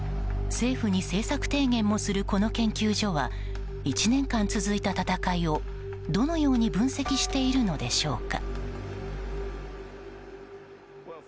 政府に政策提言もするこの研究所は１年間続いた戦いを、どのように分析しているのでしょうか。